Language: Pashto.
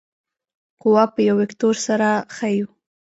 قوه په یو وکتور سره ښیو.